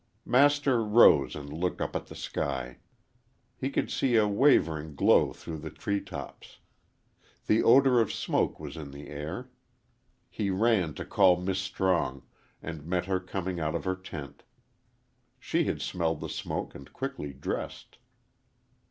Master rose and looked up at the sky. He could see a wavering glow through the tree tops. The odor of smoke was in the air. He ran to call Miss Strong, and met her coming out of her tent. She had smelled the smoke and quickly dressed.